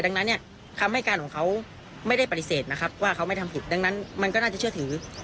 ดังนั้นเนี่ยคำให้การของเขาไม่ได้ปฏิเสธนะครับว่าเขาไม่ทำผิดดังนั้นมันก็น่าจะเชื่อถือ